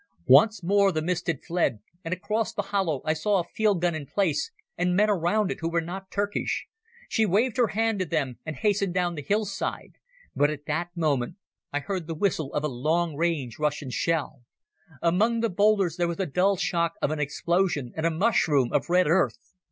Once more the mist had fled, and across the hollow I saw a field gun in place and men around it who were not Turkish. She waved her hand to them, and hastened down the hillside. But at that moment I heard the whistle of a long range Russian shell. Among the boulders there was the dull shock of an explosion and a mushroom of red earth.